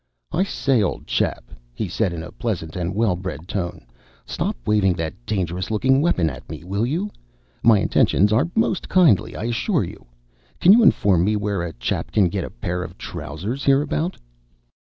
"I say, old chap," he said in a pleasant and well bred tone, "stop waving that dangerous looking weapon at me, will you? My intentions are most kindly, I assure you. Can you inform me where a chap can get a pair of trousers hereabout?"